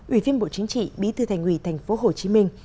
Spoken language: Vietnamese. ủy viên bộ chính trị bí thư thành ủy tp hcm